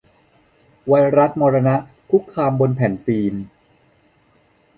ไวรัสมรณะ คุกคามบนแผ่นฟิล์ม